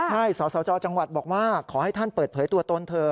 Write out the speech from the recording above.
ใช่สสจจังหวัดบอกว่าขอให้ท่านเปิดเผยตัวตนเถอะ